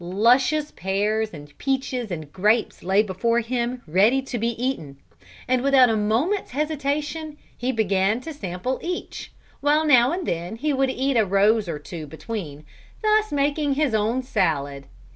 Luscious pears, peaches and grapes lay before him ready to be eaten, and without a moment's hesitation he began to sample each, while now and then he would eat a rose or two between, thus making his own salad.